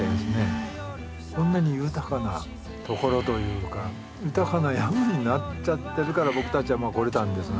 こんなに豊かなところというか豊かな山になっちゃってるから僕たちは来れたんですが。